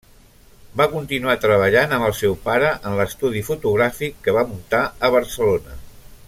Va continuar treballant amb el seu pare en l'estudi fotogràfic que va muntar a Barcelona.